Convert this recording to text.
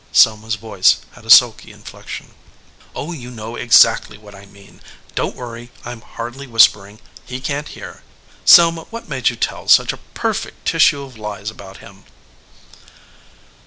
Selma s voice had a sulky inflection. "Oh, you do know exactly what I mean. Don t worry. I m hardly whispering he can t hear. Selma, what made you tell such a perfect tissue of lies about him?"